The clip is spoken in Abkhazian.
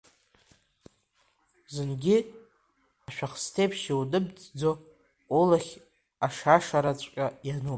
Зынгьы ашәахсҭеиԥш иунымҵӡо, улахь ашашараҵәҟьа иануп…